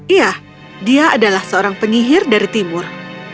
iya dia adalah seorang penyihir dari timur